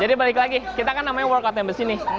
jadi balik lagi kita kan namanya workout members ini